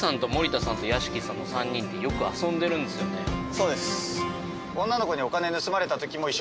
そうです。